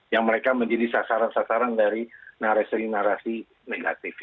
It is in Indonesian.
yang mereka menjadi sasaran sasaran dari narasi narasi negatif